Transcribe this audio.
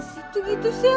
situ gitu sil